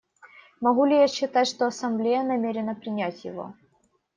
Могу ли я считать, что Ассамблея намерена принять его?